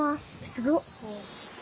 すごっ！